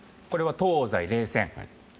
これは、東西冷戦。